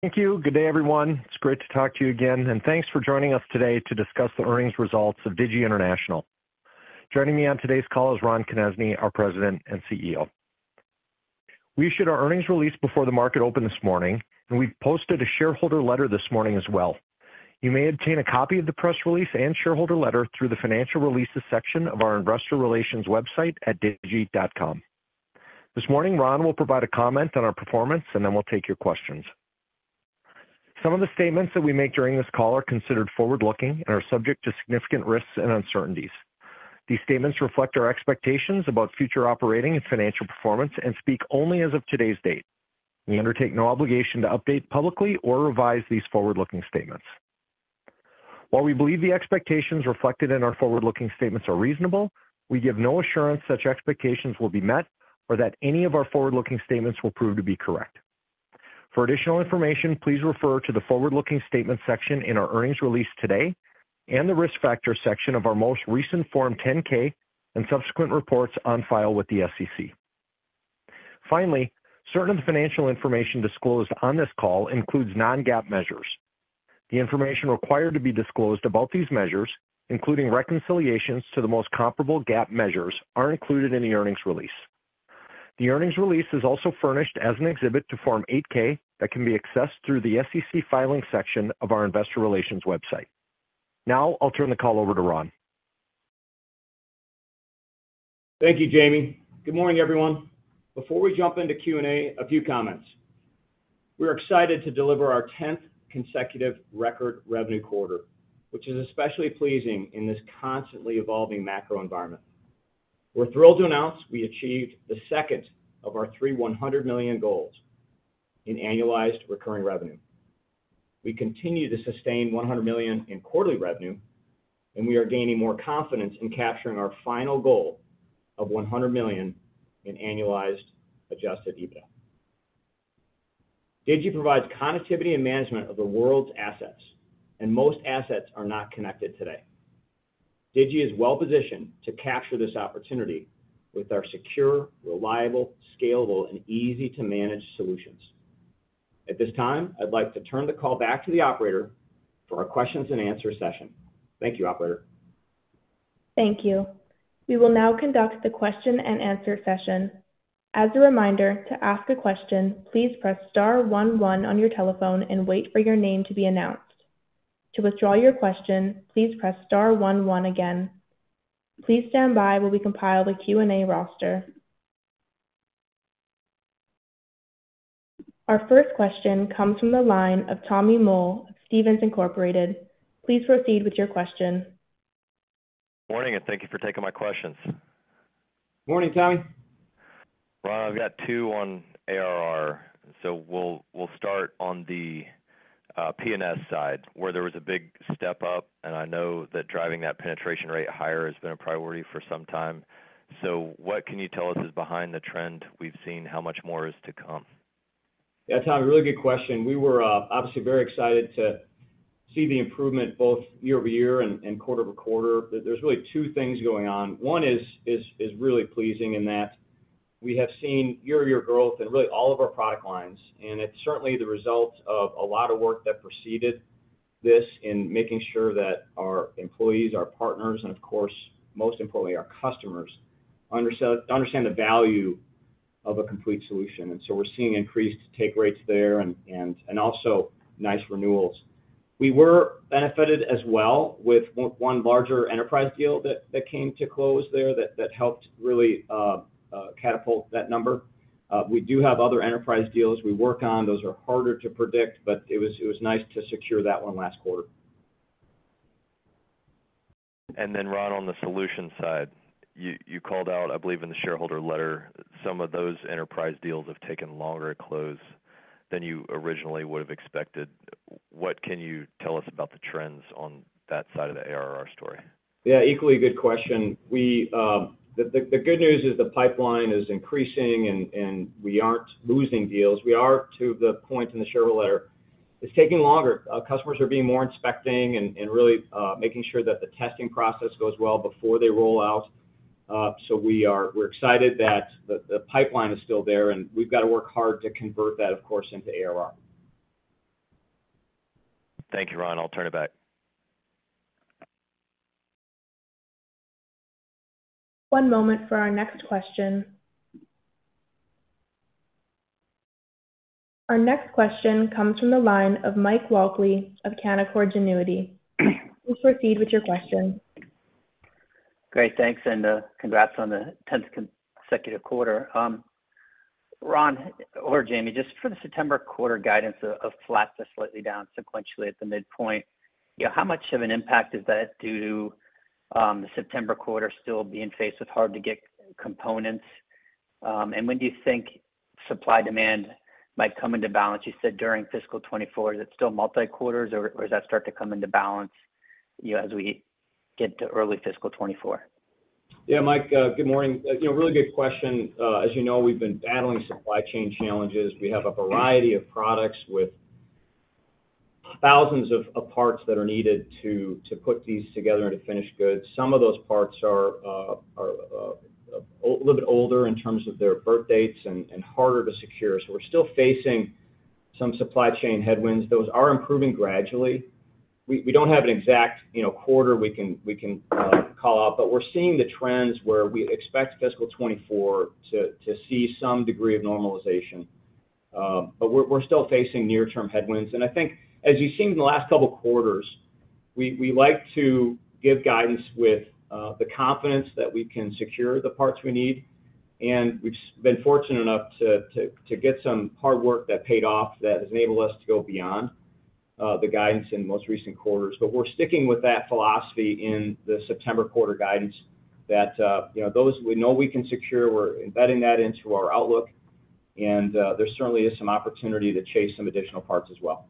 Thank you. Good day, everyone. It's great to talk to you again, and thanks for joining us today to discuss the earnings results of Digi International. Joining me on today's call is Ron Konezny, our President and CEO. We issued our earnings release before the market opened this morning, and we posted a shareholder letter this morning as well. You may obtain a copy of the press release and shareholder letter through the Financial Releases section of our investor relations website at digi.com. This morning, Ron will provide a comment on our performance, and then we'll take your questions. Some of the statements that we make during this call are considered forward-looking and are subject to significant risks and uncertainties. These statements reflect our expectations about future operating and financial performance and speak only as of today's date. We undertake no obligation to update publicly or revise these forward-looking statements. While we believe the expectations reflected in our forward-looking statements are reasonable, we give no assurance such expectations will be met or that any of our forward-looking statements will prove to be correct. For additional information, please refer to the Forward-Looking Statements section in our earnings release today and the Risk Factors section of our most recent Form 10-K and subsequent reports on file with the SEC. Finally, certain financial information disclosed on this call includes non-GAAP measures. The information required to be disclosed about these measures, including reconciliations to the most comparable GAAP measures, are included in the earnings release. The earnings release is also furnished as an exhibit to Form 8-K that can be accessed through the SEC Filings section of our investor relations website. Now, I'll turn the call over to Ron. Thank you, Jamie. Good morning, everyone. Before we jump into Q&A, a few comments. We're excited to deliver our 10th consecutive record revenue quarter, which is especially pleasing in this constantly evolving macro environment. We're thrilled to announce we achieved the second of our three $100 million goals in annualized recurring revenue. We continue to sustain 100 million in quarterly revenue, and we are gaining more confidence in capturing our final goal of 100 million in annualized adjusted EBITDA. Digi provides connectivity and management of the world's assets, and most assets are not connected today. Digi is well positioned to capture this opportunity with our secure, reliable, scalable, and easy-to-manage solutions. At this time, I'd like to turn the call back to the operator for our questions and answer session. Thank you, operator. Thank you. We will now conduct the question and answer session. As a reminder, to ask a question, please press star 1, 1 on your telephone and wait for your name to be announced. To withdraw your question, please press star one, one again. Please stand by while we compile the Q&A roster. Our first question comes from the line of Tommy Moll, Stephens Inc.. Please proceed with your question. Morning, and thank you for taking my questions. Morning, Tommy. Ron, I've got two on ARR, so we'll, we'll start on the P&S side, where there was a big step up, and I know that driving that penetration rate higher has been a priority for some time. What can you tell us is behind the trend we've seen? How much more is to come? Yeah, Tommy, really good question. We were obviously very excited to see the improvement both year-over-year and, and quarter-over-quarter. There's really two things going on. 1 is really pleasing in that we have seen year-over-year growth in really all of our product lines, and it's certainly the result of a lot of work that preceded this in making sure that our employees, our partners, and of course, most importantly, our customers, understand the value of a complete solution. So we're seeing increased take rates there and, and, and also nice renewals. We were benefited as well with 1 larger enterprise deal that, that came to close there, that, that helped really catapult that number. We do have other enterprise deals we work on. Those are harder to predict, but it was, it was nice to secure that one last quarter. Then, Ron, on the solution side, you, you called out, I believe, in the shareholder letter, some of those enterprise deals have taken longer to close than you originally would have expected. What can you tell us about the trends on that side of the ARR story? Yeah, equally good question. We, the good news is the pipeline is increasing, and, and we aren't losing deals. We are, to the point in the shareholder letter, it's taking longer. Customers are being more inspecting and really, making sure that the testing process goes well before they roll out. We are -- we're excited that the pipeline is still there, and we've got to work hard to convert that, of course, into ARR. Thank you, Ron. I'll turn it back. One moment for our next question. Our next question comes from the line of Mike Walkley of Canaccord Genuity. Please proceed with your question. Great, thanks, and congrats on the 10th consecutive quarter. Ron or Jamie, just for the September quarter guidance of flat to slightly down sequentially at the midpoint, you know, how much of an impact is that due to the September quarter still being faced with hard-to-get components? When do you think supply-demand might come into balance? You said during fiscal 2024, is it still multi-quarters, or does that start to come into balance, you know, as we get to early fiscal 2024? Yeah, Mike, good morning. You know, really good question. As you know, we've been battling supply chain challenges. We have a variety of products thousands of, of parts that are needed to, to put these together into finished goods. Some of those parts are a little bit older in terms of their birthdates and, and harder to secure. We're still facing some supply chain headwinds. Those are improving gradually. We, we don't have an exact, you know, quarter we can, we can call out, but we're seeing the trends where we expect fiscal 2024 to, to see some degree of normalization. We're, we're still facing near-term headwinds. I think as you've seen in the last couple of quarters, we, we like to give guidance with the confidence that we can secure the parts we need, and we've been fortunate enough to get some hard work that paid off, that has enabled us to go beyond the guidance in most recent quarters. We're sticking with that philosophy in the September quarter guidance that, you know, those we know we can secure, we're embedding that into our outlook, and there certainly is some opportunity to chase some additional parts as well.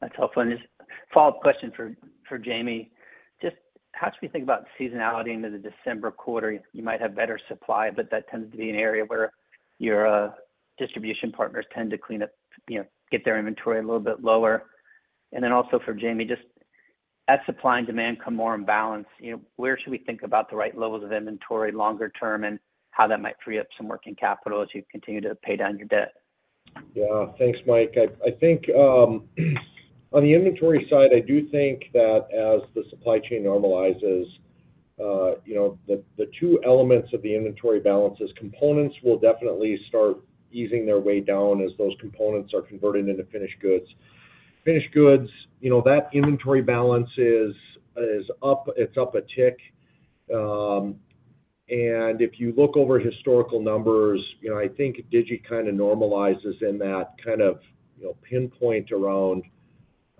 That's helpful. Just a follow-up question for, for Jamie. Just how should we think about seasonality into the December quarter? You might have better supply, but that tends to be an area where your distribution partners tend to clean up, you know, get their inventory a little bit lower. Also for Jamie, just as supply and demand come more in balance, you know, where should we think about the right levels of inventory longer term, and how that might free up some working capital as you continue to pay down your debt? Yeah. Thanks, Mike. I, I think, on the inventory side, I do think that as the supply chain normalizes, you know, the, the two elements of the inventory balances, components will definitely start easing their way down as those components are converted into finished goods. Finished goods, you know, that inventory balance is, is up, it's up a tick. If you look over historical numbers, you know, I think Digi kind of normalizes in that kind of, you know, pinpoint around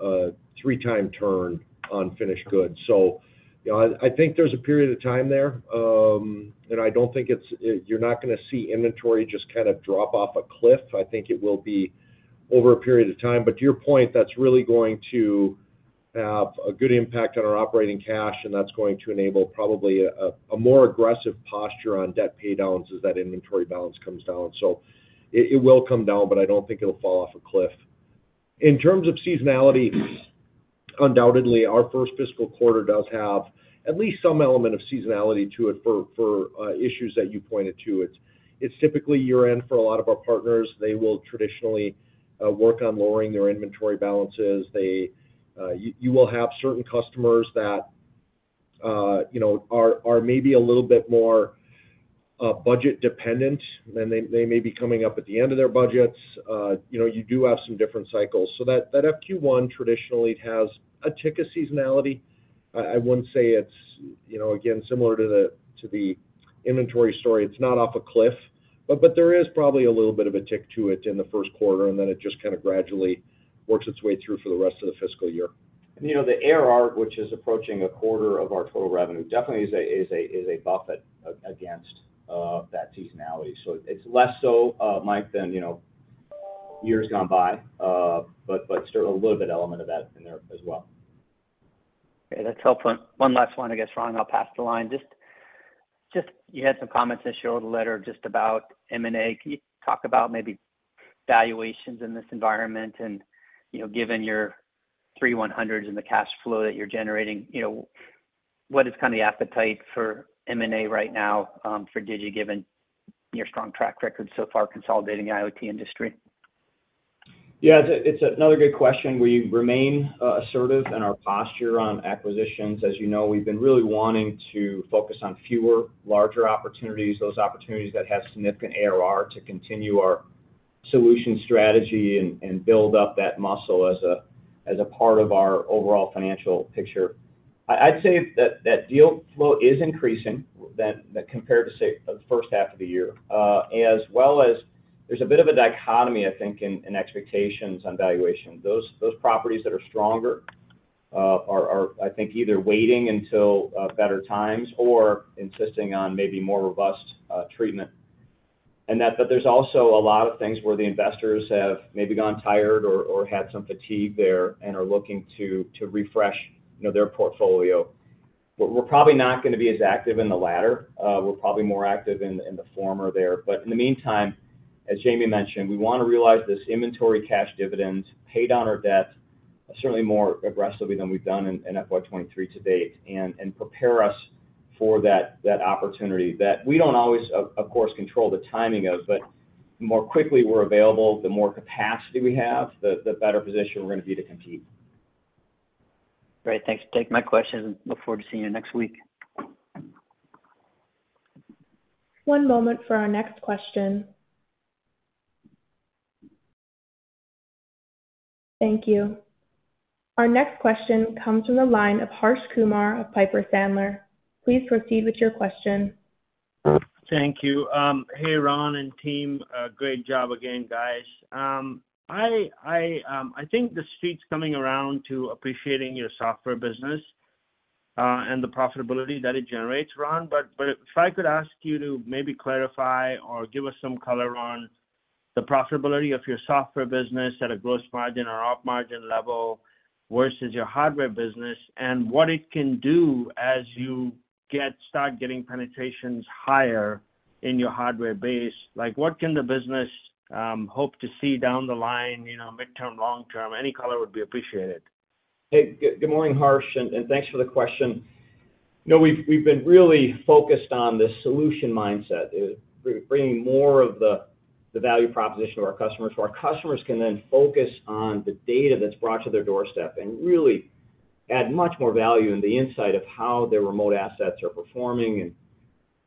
3-time turn on finished goods. You know, I, I think there's a period of time there, and I don't think it's- you're not gonna see inventory just kind of drop off a cliff. I think it will be over a period of time. To your point, that's really going to have a good impact on our operating cash, and that's going to enable probably a more aggressive posture on debt paydowns as that inventory balance comes down. It will come down, but I don't think it'll fall off a cliff. In terms of seasonality, undoubtedly, our first fiscal quarter does have at least some element of seasonality to it for issues that you pointed to. It's typically year-end for a lot of our partners. They will traditionally work on lowering their inventory balances. They. You will have certain customers that, you know, are maybe a little bit more budget-dependent, and they may be coming up at the end of their budgets. You know, you do have some different cycles. That, that FQ1 traditionally has a tick of seasonality. I, I wouldn't say it's, you know, again, similar to the, to the inventory story, it's not off a cliff, but, but there is probably a little bit of a tick to it in the first quarter, and then it just kind of gradually works its way through for the rest of the fiscal year. You know, the ARR, which is approaching a quarter of our total revenue, definitely is a buffer against that seasonality. It's less so, Mike, than, you know, years gone by, but still a little bit element of that in there as well. Okay, that's helpful. One last one, I guess, Ron, I'll pass the line. Just you had some comments in your letter just about M&A. Can you talk about maybe valuations in this environment and, you know, given your three 100s and the cash flow that you're generating, you know, what is kind of the appetite for M&A right now for Digi, given your strong track record so far, consolidating the IoT industry? Yeah, it's, it's another good question. We remain, assertive in our posture on acquisitions. As you know, we've been really wanting to focus on fewer, larger opportunities, those opportunities that have significant ARR, to continue our solution strategy and, and build up that muscle as a, as a part of our overall financial picture. I, I'd say that, that deal flow is increasing than, than compared to, say, the first half of the year. As well as there's a bit of a dichotomy, I think, in, in expectations on valuation. Those, those properties that are stronger, are, are, I think, either waiting until, better times or insisting on maybe more robust, treatment. There's also a lot of things where the investors have maybe gone tired or, or had some fatigue there and are looking to, to refresh, you know, their portfolio. We're probably not going to be as active in the latter. We're probably more active in, in the former there. In the meantime, as Jamie mentioned, we want to realize this inventory cash dividend, pay down our debt, certainly more aggressively than we've done in, in FY23 to date, and, and prepare us for that, that opportunity that we don't always, of course, control the timing of, but the more quickly we're available, the more capacity we have, the, the better position we're gonna be to compete. Great. Thanks for taking my questions, and look forward to seeing you next week. One moment for our next question. Thank you. Our next question comes from the line of Harsh Kumar of Piper Sandler. Please proceed with your question. Thank you. Hey, Ron and team. Great job again, guys. I, I, I think the street's coming around to appreciating your software business and the profitability that it generates, Ron. If I could ask you to maybe clarify or give us some color on the profitability of your software business at a gross margin or op margin level? versus your hardware business and what it can do as you get, start getting penetrations higher in your hardware base? Like, what can the business hope to see down the line, you know, midterm, long term? Any color would be appreciated. Hey, good morning, Harsh, and thanks for the question. You know, we've been really focused on this solution mindset, bringing more of the value proposition to our customers, so our customers can then focus on the data that's brought to their doorstep and really add much more value in the insight of how their remote assets are performing and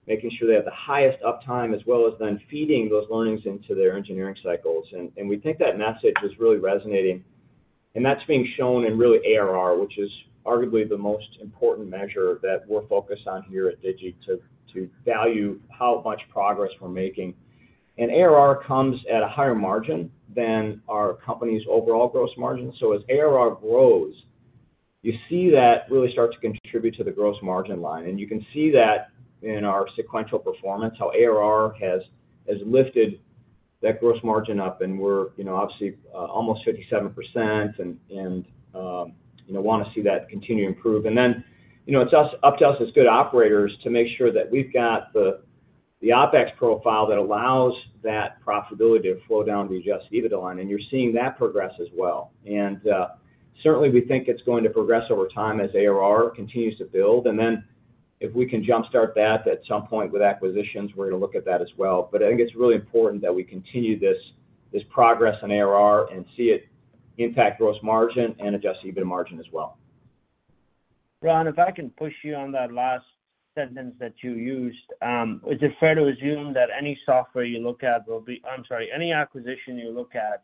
making sure they have the highest uptime, as well as then feeding those learnings into their engineering cycles. We think that message is really resonating, and that's being shown in really ARR, which is arguably the most important measure that we're focused on here at Digi to value how much progress we're making. ARR comes at a higher margin than our company's overall gross margin. As ARR grows, you see that really start to contribute to the gross margin line, and you can see that in our sequential performance, how ARR has, has lifted that gross margin up, and we're, you know, obviously, almost 57% and, you know, wanna see that continue to improve. You know, it's up to us as good operators to make sure that we've got the OpEx profile that allows that profitability to flow down to the adjusted EBITDA line, and you're seeing that progress as well. Certainly, we think it's going to progress over time as ARR continues to build. If we can jumpstart that at some point with acquisitions, we're going to look at that as well. I think it's really important that we continue this, this progress in ARR and see it impact gross margin and adjusted EBITDA margin as well. Ron, if I can push you on that last sentence that you used, is it fair to assume that any software you look at will be... I'm sorry, any acquisition you look at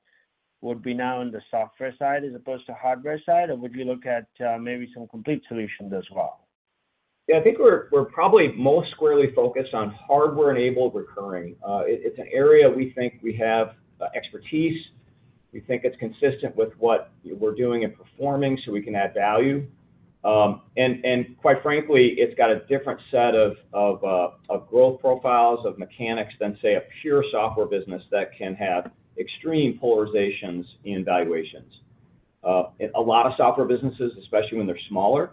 would be now on the software side as opposed to hardware side? Or would you look at, maybe some complete solutions as well? Yeah, I think we're, we're probably most squarely focused on hardware-enabled recurring. It's an area we think we have expertise. We think it's consistent with what we're doing and performing, so we can add value. And, and quite frankly, it's got a different set of, of growth profiles, of mechanics than, say, a pure software business that can have extreme polarizations in valuations. A lot of software businesses, especially when they're smaller,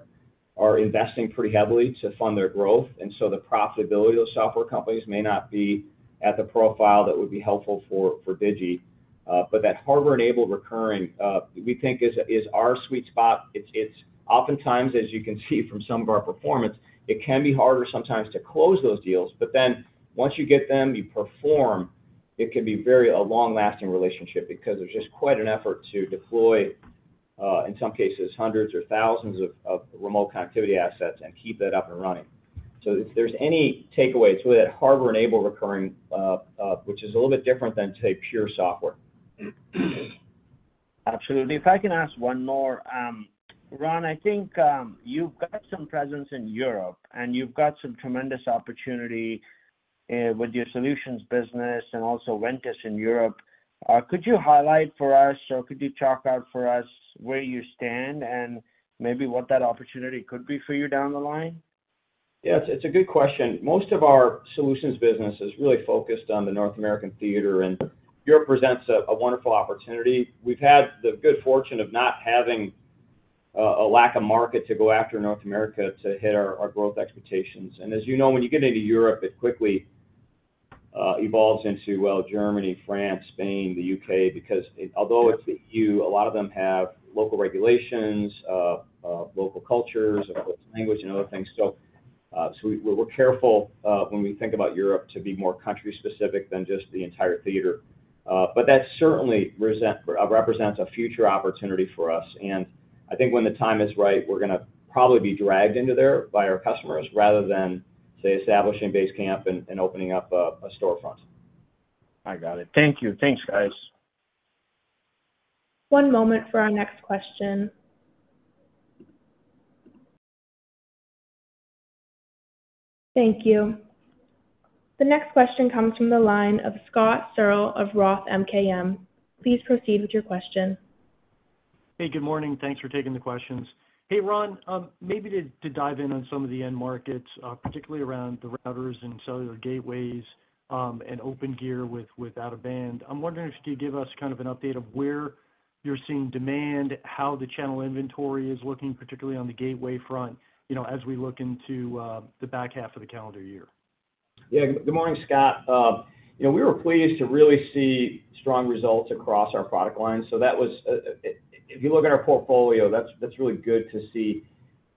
are investing pretty heavily to fund their growth, and so the profitability of software companies may not be at the profile that would be helpful for, for Digi. That hardware-enabled recurring, we think is, is our sweet spot. It's oftentimes, as you can see from some of our performance, it can be harder sometimes to close those deals, but then once you get them, you perform, it can be very, a long-lasting relationship because there's just quite an effort to deploy, in some cases, hundreds or thousands of remote connectivity assets and keep that up and running. If there's any takeaway, it's really that hardware-enabled recurring, which is a little bit different than, say, pure software. Absolutely. If I can ask one more, Ron, I think, you've got some presence in Europe, and you've got some tremendous opportunity, with your solutions business and also Ventus in Europe. Could you highlight for us, or could you talk out for us where you stand and maybe what that opportunity could be for you down the line? Yes, it's a good question. Most of our solutions business is really focused on the North American theater. Europe presents a wonderful opportunity. We've had the good fortune of not having a lack of market to go after in North America to hit our growth expectations. As you know, when you get into Europe, it quickly evolves into, well, Germany, France, Spain, the UK, because it, although it's the EU, a lot of them have local regulations, local cultures, local language, and other things. We're careful when we think about Europe, to be more country-specific than just the entire theater. That certainly represents a future opportunity for us. I think when the time is right, we're gonna probably be dragged into there by our customers, rather than, say, establishing base camp and, and opening up a, a storefront. I got it. Thank you. Thanks, guys. One moment for our next question. Thank you. The next question comes from the line of Scott Searle of Roth MKM. Please proceed with your question. Hey, good morning. Thanks for taking the questions. Hey, Ron, maybe to, to dive in on some of the end markets, particularly around the routers and cellular gateways, and Opengear with, out-of-band. I'm wondering if you could give us kind of an update of where you're seeing demand, how the channel inventory is looking, particularly on the gateway front, you know, as we look into, the back half of the calendar year? Yeah. Good morning, Scott. You know, we were pleased to really see strong results across our product lines, so that was, if you look at our portfolio, that's, that's really good to see.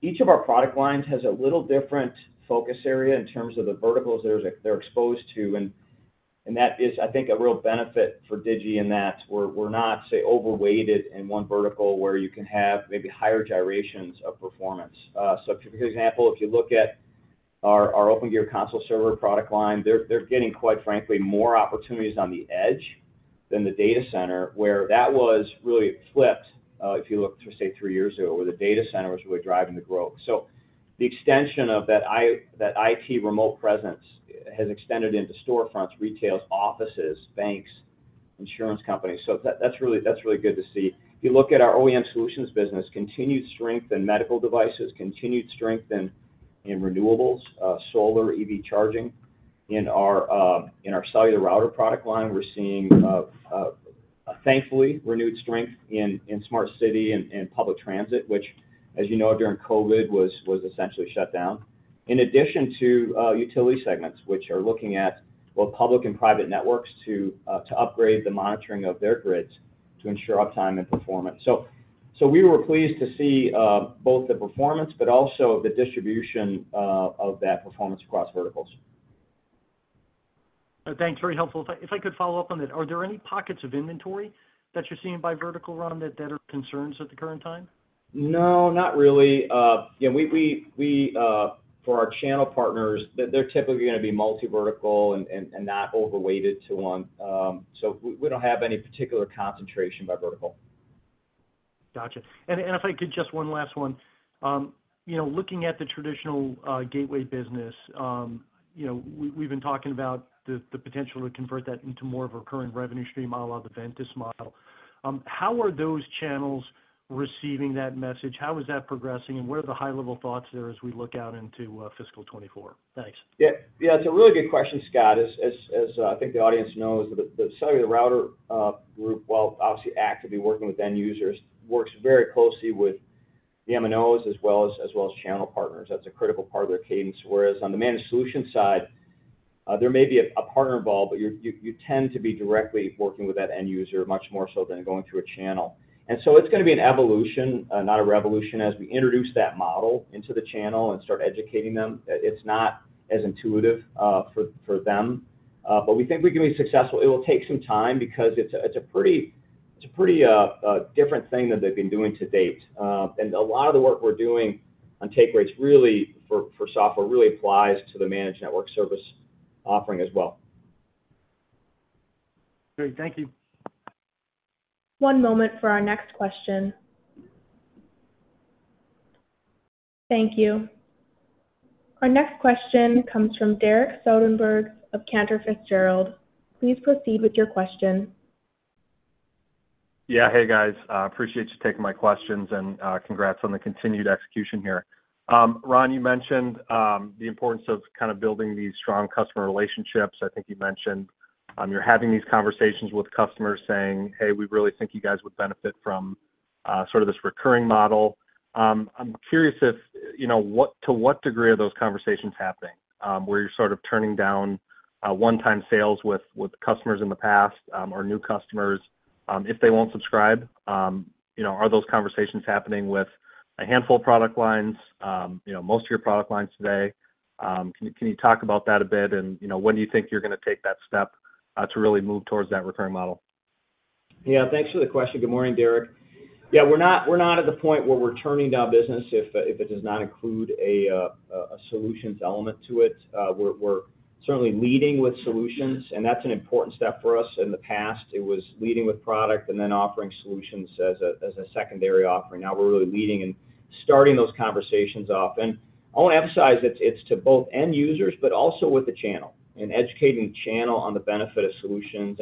Each of our product lines has a little different focus area in terms of the verticals they're, they're exposed to, and, and that is, I think, a real benefit for Digi in that we're, we're not, say, overweighted in one vertical where you can have maybe higher gyrations of performance. So for example, if you look at our, our Opengear console server product line, they're, they're getting, quite frankly, more opportunities on the edge than the data center, where that was really flipped, if you look to, say, three years ago, where the data center was really driving the growth. The extension of that IT remote presence has extended into storefronts, retails, offices, banks, insurance companies. That's really, that's really good to see. If you look at our OEM solutions business, continued strength in medical devices, continued strength in renewables, solar, EV charging. In our cellular router product line, we're seeing, thankfully, renewed strength in smart city and public transit, which, as you know, during COVID, was essentially shut down. In addition to utility segments, which are looking at both public and private networks to upgrade the monitoring of their grids to ensure uptime and performance. We were pleased to see both the performance but also the distribution of that performance across verticals. Thanks, very helpful. If I, if I could follow up on that, are there any pockets of inventory that you're seeing by vertical, Ron, that, that are concerns at the current time? No, not really. yeah, we, for our channel partners, they're typically going to be multi-vertical and not overweighted to one. We, we don't have any particular concentration by vertical. Gotcha. If I could, just one last one. You know, looking at the traditional gateway business, you know, we've been talking about the potential to convert that into more of a recurring revenue stream model, à la the Ventus model. How are those channels receiving that message? How is that progressing, and what are the high-level thoughts there as we look out into fiscal 2024? Thanks. Yeah, yeah, it's a really good question, Scott. As I think the audience knows, the cellular router group, while obviously actively working with end users, works very closely with the MNOs as well as, as well as channel partners. That's a critical part of their cadence. Whereas on the managed solution side, there may be a partner involved, but you tend to be directly working with that end user much more so than going through a channel. So it's gonna be an evolution, not a revolution, as we introduce that model into the channel and start educating them. It's not as intuitive for them, but we think we can be successful. It will take some time because it's a, it's a pretty, it's a pretty different thing than they've been doing to date. A lot of the work we're doing on take rates, really, for, for software, really applies to the managed network service offering as well. Great. Thank you. One moment for our next question. Thank you. Our next question comes from Derek Soderberg of Cantor Fitzgerald. Please proceed with your question. Yeah. Hey, guys, appreciate you taking my questions, and congrats on the continued execution here. Ron, you mentioned the importance of kind of building these strong customer relationships. I think you mentioned, you're having these conversations with customers saying, "Hey, we really think you guys would benefit from sort of this recurring model." I'm curious if, you know, to what degree are those conversations happening, where you're sort of turning down one-time sales with, with customers in the past, or new customers, if they won't subscribe? You know, are those conversations happening with a handful of product lines, you know, most of your product lines today? Can you talk about that a bit, and, you know, when do you think you're gonna take that step to really move towards that recurring model? Yeah, thanks for the question. Good morning, Derek. Yeah, we're not, we're not at the point where we're turning down business if it does not include a solutions element to it. We're certainly leading with solutions, and that's an important step for us. In the past, it was leading with product and then offering solutions as a secondary offering. Now we're really leading and starting those conversations often. I want to emphasize it's, it's to both end users, but also with the channel, and educating the channel on the benefit of solutions.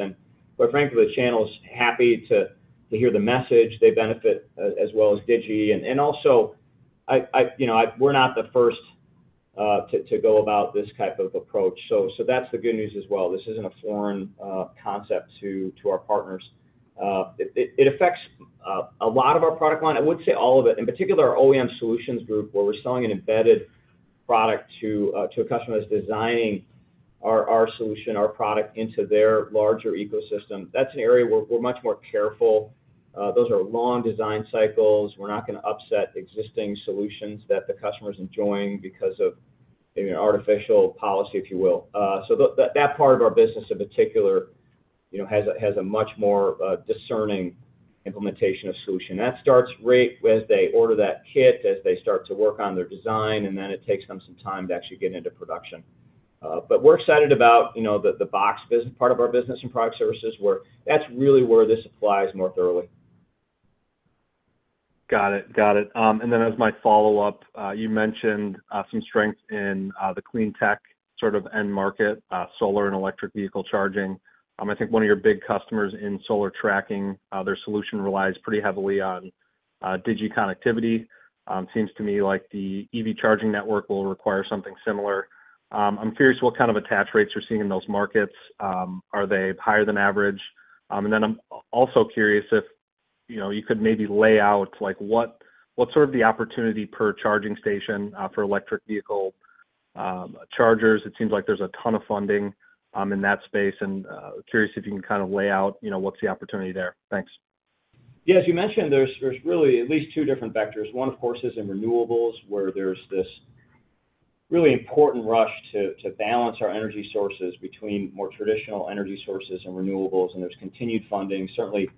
Quite frankly, the channel is happy to, to hear the message. They benefit as well as Digi. Also, I, I, you know, we're not the first to, to go about this type of approach, so, so that's the good news as well. This isn't a foreign concept to, to our partners. It, it, it affects a lot of our product line. I wouldn't say all of it. In particular, our OEM solutions group, where we're selling an embedded product to, to a customer that's designing our, our solution, our product into their larger ecosystem, that's an area where we're much more careful. Those are long design cycles. We're not gonna upset existing solutions that the customer's enjoying because of maybe an artificial policy, if you will. So that, that part of our business, in particular, you know, has a, has a much more discerning implementation of solution. That starts right as they order that kit, as they start to work on their design, and then it takes them some time to actually get into production. We're excited about, you know, the, the box business part of our business and product services, where that's really where this applies more thoroughly. Got it. Got it. As my follow-up, you mentioned some strength in the clean tech sort of end market, solar and electric vehicle charging. I think one of your big customers in solar tracking, their solution relies pretty heavily on Digi connectivity. Seems to me like the EV charging network will require something similar. I'm curious what kind of attach rates you're seeing in those markets. Are they higher than average? I'm also curious if, you know, you could maybe lay out, like, what's sort of the opportunity per charging station, per electric vehicle, chargers? It seems like there's a ton of funding in that space, and curious if you can kind of lay out, you know, what's the opportunity there? Thanks. Yeah, as you mentioned, there's, there's really at least two different vectors. One, of course, is in renewables, where there's this really important rush to, to balance our energy sources between more traditional energy sources and renewables, and there's continued funding. Certainly,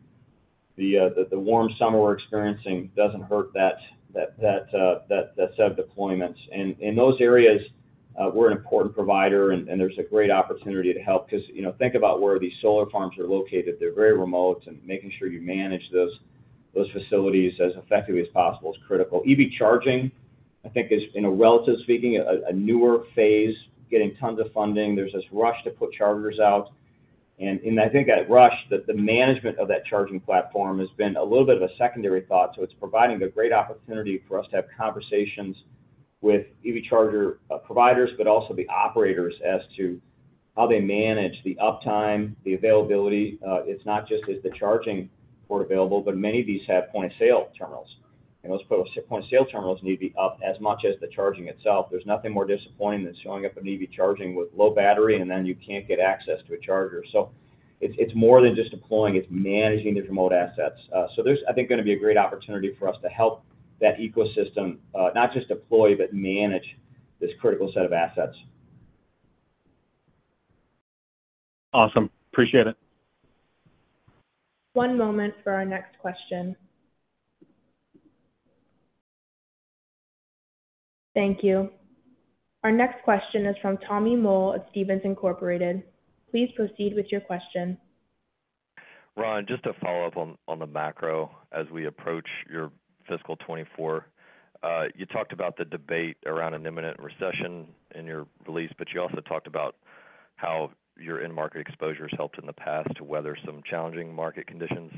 the, the, the warm summer we're experiencing doesn't hurt that, that, that, that, that set of deployments. And in those areas, we're an important provider, and, and there's a great opportunity to help. Because, you know, think about where these solar farms are located. They're very remote, and making sure you manage those, those facilities as effectively as possible is critical. EV charging, I think, is, you know, relative speaking, a, a newer phase, getting tons of funding. There's this rush to put chargers out.... I think at rush, that the management of that charging platform has been a little bit of a secondary thought. It's providing a great opportunity for us to have conversations with EV charger providers, but also the operators as to how they manage the uptime, the availability. It's not just, is the charging port available, but many of these have point-of-sale terminals, and those point-of-sale terminals need to be up as much as the charging itself. There's nothing more disappointing than showing up at an EV charging with low battery, and then you can't get access to a charger. It's, it's more than just deploying, it's managing the remote assets. There's, I think, gonna be a great opportunity for us to help that ecosystem, not just deploy, but manage this critical set of assets. Awesome. Appreciate it. One moment for our next question. Thank you. Our next question is from Tommy Moll of Stephens Inc. Please proceed with your question. Ron, just to follow up on, on the macro as we approach your fiscal 2024. You talked about the debate around an imminent recession in your release. You also talked about how your end market exposure has helped in the past to weather some challenging market conditions.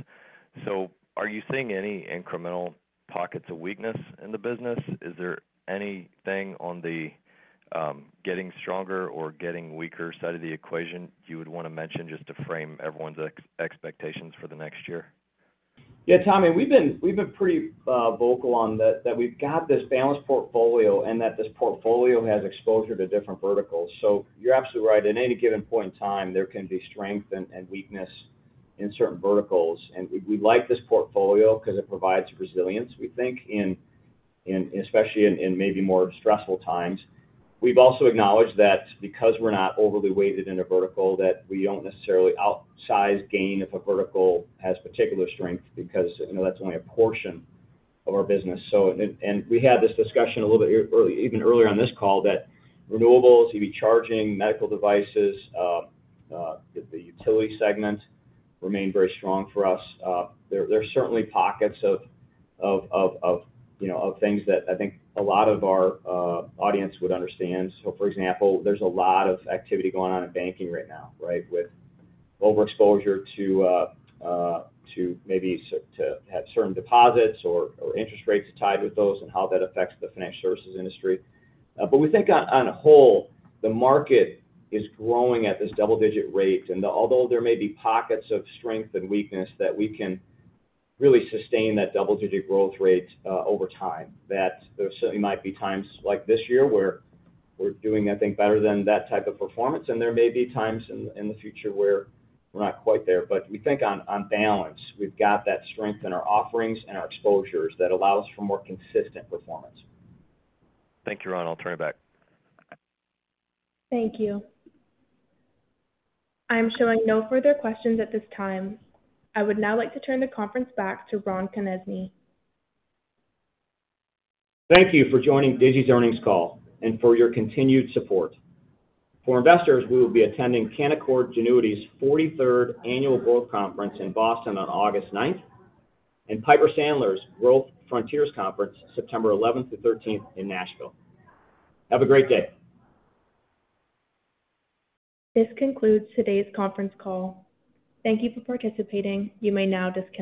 Are you seeing any incremental pockets of weakness in the business? Is there anything on the getting stronger or getting weaker side of the equation you would wanna mention just to frame everyone's expectations for the next year? Yeah, Tommy, we've been, we've been pretty vocal on that, that we've got this balanced portfolio and that this portfolio has exposure to different verticals. You're absolutely right. At any given point in time, there can be strength and weakness in certain verticals, and we like this portfolio because it provides resilience, we think, especially in maybe more stressful times. We've also acknowledged that because we're not overly weighted in a vertical, that we don't necessarily outsize gain if a vertical has particular strength, because, you know, that's only a portion of our business. We had this discussion a little bit early, even earlier on this call, that renewables, EV charging, medical devices, the utility segment remain very strong for us. There, there are certainly pockets of, of, of, of, you know, of things that I think a lot of our audience would understand. For example, there's a lot of activity going on in banking right now, right? With overexposure to, to maybe s- to have certain deposits or, or interest rates tied with those and how that affects the financial services industry. We think on, on a whole, the market is growing at this double-digit rate, and although there may be pockets of strength and weakness, that we can really sustain that double-digit growth rate over time. There certainly might be times like this year, where we're doing, I think, better than that type of performance, and there may be times in, in the future where we're not quite there. We think on, on balance, we've got that strength in our offerings and our exposures that allow us for more consistent performance. Thank you, Ron. I'll turn it back. Thank you. I'm showing no further questions at this time. I would now like to turn the conference back to Ron Konezny. Thank you for joining Digi's earnings call and for your continued support. For investors, we will be attending Canaccord Genuity's 43rd Annual Growth Conference in Boston on August 9th, and Piper Sandler's Growth Frontiers Conference, September 11th to 13th in Nashville. Have a great day. This concludes today's conference call. Thank you for participating. You may now disconnect.